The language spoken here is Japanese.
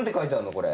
これ。